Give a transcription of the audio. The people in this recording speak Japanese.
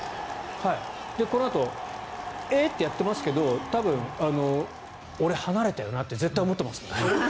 このあとえっ？ってやってますけど多分、俺、離れたよなって絶対思ってますよね。